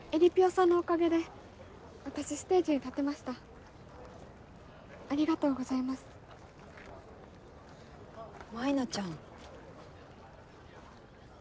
さんのおかげで私ステージに立てましたありがとうございます舞菜ちゃん